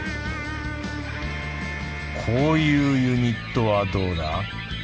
こういうユニットはどうだ？